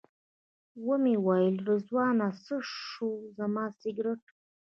ومې ویل رضوانه څه شو زما سګرټ.